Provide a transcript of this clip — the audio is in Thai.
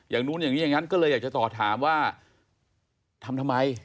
นู้นอย่างนี้อย่างนั้นก็เลยอยากจะต่อถามว่าทำทำไม